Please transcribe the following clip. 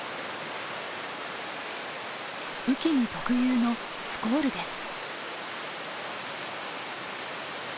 雨季に特有のスコールです。